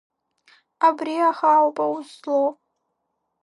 Абри аха ауп аус злоу.